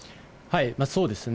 そうですね。